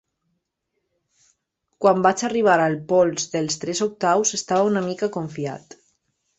Quan vaig arribar al pol dels tres octaus estava una mica confiat.